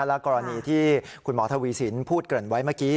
และกรณีที่คุณหมอทวีสินพูดเกริ่นไว้เมื่อกี้